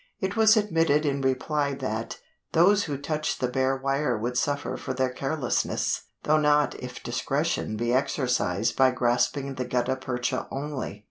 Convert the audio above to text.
It was admitted in reply that "those who touched the bare wire would suffer for their carelessness, though not if discretion be exercised by grasping the gutta percha only."